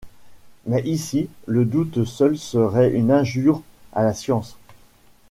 Mais ici le doute seul serait une injure à la science !